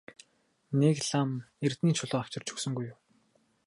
Нэг лам эрдэнийн чулуу авчирч өгсөнгүй юу?